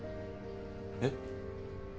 えっ？